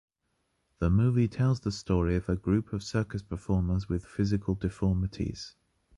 The movie tells the story of a group of circus performers with physical deformities.